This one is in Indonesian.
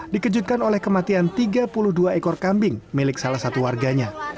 dikejutkan oleh kematian tiga puluh dua ekor kambing milik salah satu warganya